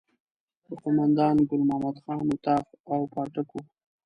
د قوماندان ګل محمد خان اطاق او پاټک وو.